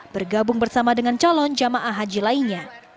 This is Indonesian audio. bergabung bersama dengan calon jamaah haji lainnya